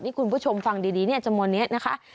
คุณผู้ชมฟังดีเนี่ยจำนวนนี้นะคะ